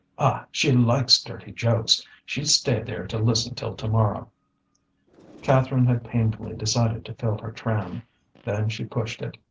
Ah! she likes dirty jokes. She'd stay there to listen till to morrow." Catherine had painfully decided to fill her tram, then she pushed it.